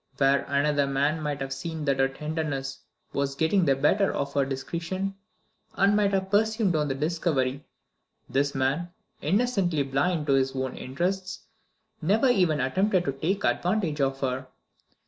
Where another man might have seen that her tenderness was getting the better of her discretion, and might have presumed on the discovery, this man, innocently blind to his own interests, never even attempted to take advantage of her.